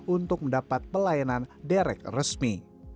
untuk mendapat pelayanan derek resmi